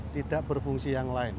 tidak berfungsi yang lain